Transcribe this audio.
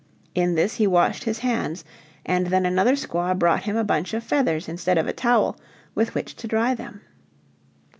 In this he washed his hands, and then another squaw brought him a bunch of feathers instead of a towel, with which to dry them.